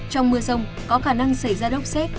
trong mưa rông có khả năng xảy ra lốc xét